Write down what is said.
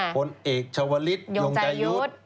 ผลเอกชาวลิศยงใจยุทธ์